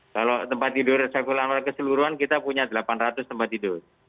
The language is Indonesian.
kalau tempat tidur saiful anwar keseluruhan kita punya delapan ratus tempat tidur